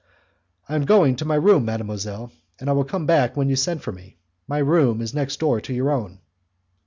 "I am going to my room, mademoiselle, and I will come back when you send for me; my room is next door to your own."